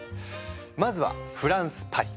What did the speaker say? まずはフランスパリ。